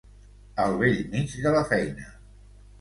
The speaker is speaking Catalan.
Al bell mig de la feina.